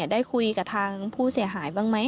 ได้คุยกับทางผู้เสียหายบ้างไหม